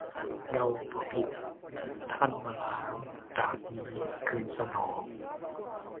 เราบ่ผิดท่านมล้าง ดาบนี้ คืนสนอง